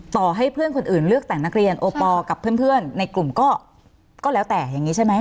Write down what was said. ต่อให้เพื่อนคนอื่นเลือกแต่งนักเรียนโอปอลกับเพื่อนในกลุ่มก็แล้วแต่อย่างนี้ใช่ไหม